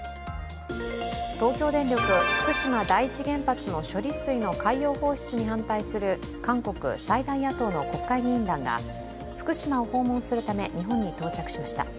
東京電力福島第一原発の処理水の海洋放出に反対する韓国・最大野党の国会議員団が福島を訪問するため日本に到着しました。